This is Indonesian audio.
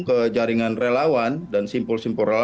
ke jaringan relawan dan simpul simpul relawan